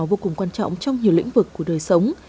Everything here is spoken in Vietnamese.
vô cùng quan trọng trong nhiều lĩnh vực của đời sống